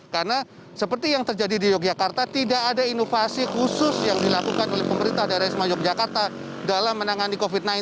karena seperti yang terjadi di yogyakarta tidak ada inovasi khusus yang dilakukan oleh pemerintah daerah ismail yogyakarta dalam menangani covid sembilan belas